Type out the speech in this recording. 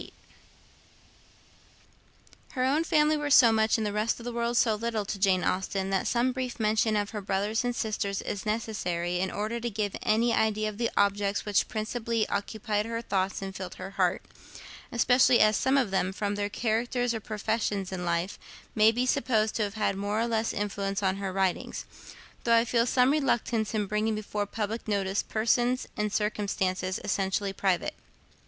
Her own family were so much, and the rest of the world so little, to Jane Austen, that some brief mention of her brothers and sister is necessary in order to give any idea of the objects which principally occupied her thoughts and filled her heart, especially as some of them, from their characters or professions in life, may be supposed to have had more or less influence on her writings: though I feel some reluctance in bringing before public notice persons and circumstances essentially private.